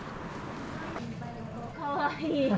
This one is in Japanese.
かわいい。